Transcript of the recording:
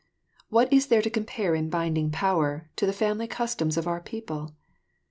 What is there to compare in binding power to the family customs of our people?